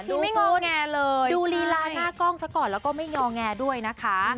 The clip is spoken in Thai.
คือไม่งอแงเลยดูลีลาหน้ากล้องซะก่อนแล้วก็ไม่งอแงด้วยนะคะ